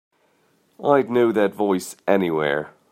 I'd know that voice anywhere.